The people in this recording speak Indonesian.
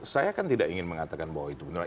saya kan tidak ingin mengatakan bahwa itu benar